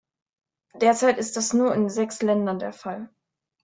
Derzeit ist das nur in sechs Ländern der Fall.